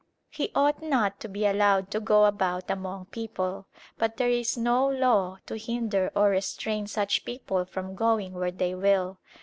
He ought not to be allowed to go about among people, but there is no law to hinder or restrain such people from going where they will.